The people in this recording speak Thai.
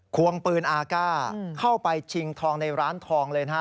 ควงปืนอาก้าเข้าไปชิงทองในร้านทองเลยนะฮะ